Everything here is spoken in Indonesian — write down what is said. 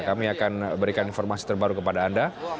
kami akan berikan informasi terbaru kepada anda